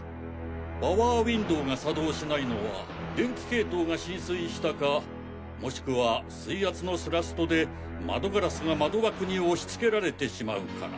パワーウィンドウが作動しないのは電気系統が浸水したかもしくは水圧の推力で窓ガラスが窓枠に押し付けられてしまうから。